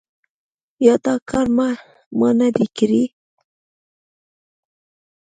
یا دا کار ما نه دی کړی ؟